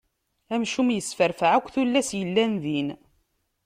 Amcum yesferfeɛ akk tullas yellan din.